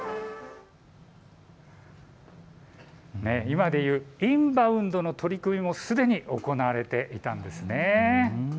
今でいうインバウンドの取り組みもすでに行われていたんですね。